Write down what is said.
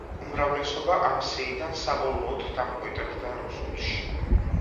უმრავლესობა ამ სიიდან საბოლოოდ დამკვიდრდა რუსულში.